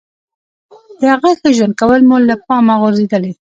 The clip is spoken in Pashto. د هغه ښه ژوند کول مو له پامه غورځولي.